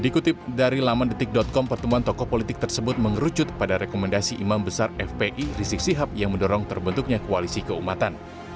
dikutip dari laman detik com pertemuan tokoh politik tersebut mengerucut pada rekomendasi imam besar fpi rizik sihab yang mendorong terbentuknya koalisi keumatan